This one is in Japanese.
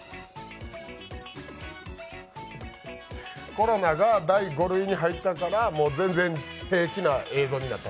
コロナが第５類に入ったから、もう全然平気な映像になった。